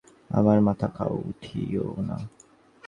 আমার মাথা খাও, উঠিয়ো না।